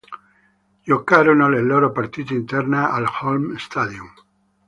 Giocarono le loro partite interne al Holmes Stadium.